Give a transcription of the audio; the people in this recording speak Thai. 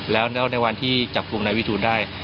แล้วในวันที่จับกลุ่มนายวิทูลได้